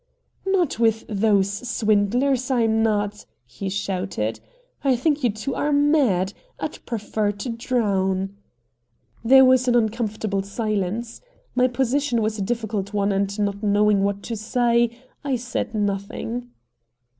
"Not with those swindlers, I'm not!" he shouted. "I think you two are mad! I prefer to drown!" There was an uncomfortable silence. My position was a difficult one, and, not knowing what to say, I said nothing.